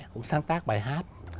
cũng sáng tác bài hát